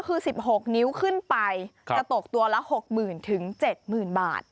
คือ๑๖นิ้วขึ้นไปจะตกตัวละ๖๐๐๐๗๐๐บาท